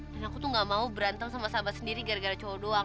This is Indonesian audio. dan aku tuh gak mau berantem sama sahabat sendiri gara gara cowok doang